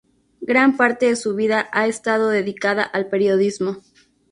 Gran parte de su vida ha estado dedicada al periodismo.